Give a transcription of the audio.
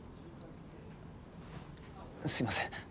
すいません